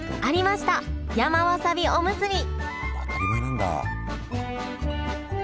当たり前なんだ。